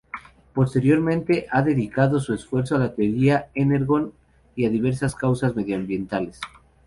Posteriormente, ha dedicado su esfuerzo a la teoría energon y a diversas causas medioambientales.